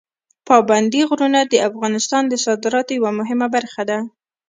پابندي غرونه د افغانستان د صادراتو یوه مهمه برخه ده.